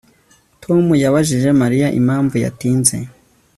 Tom yabajije Mariya impamvu yatinze